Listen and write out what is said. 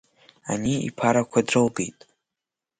Ани иԥарақәа дрылгеит.